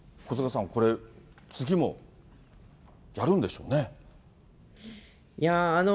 小塚さん、これ、次もやるんでしょうね。